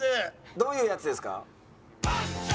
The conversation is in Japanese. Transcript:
どういうやつですか？